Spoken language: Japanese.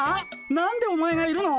何でお前がいるの？